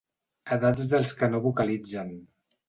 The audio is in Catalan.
Edats dels que no vocalitzen.